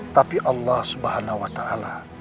tapi allah subhanahu wa ta'ala